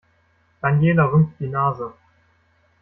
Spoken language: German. Daniela rümpft die Nase.